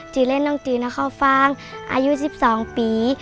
จือเล่นน้องจือน้องข้าวฟ้างอายุ๑๒ปี